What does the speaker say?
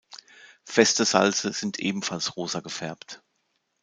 Feste Salze sind ebenfalls rosa gefärbt.